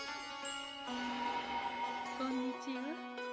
こんにちは。